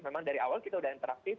memang dari awal kita sudah interaktif